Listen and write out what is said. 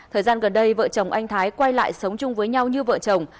thời gian gần đây vợ chồng anh thái quay lại sống chung với nhau như vợ chồng